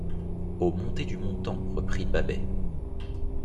Au monté du montant, reprit Babet.